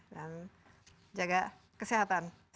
dan jaga kesehatan selalu